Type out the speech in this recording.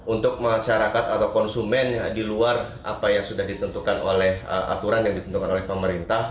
untuk masyarakat atau konsumen di luar apa yang sudah ditentukan oleh aturan yang ditentukan oleh pemerintah